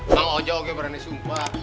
mak ojo juga berani sumpah